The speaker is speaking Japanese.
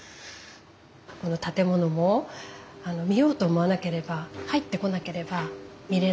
この建物も見ようと思わなければ入ってこなければ見れない。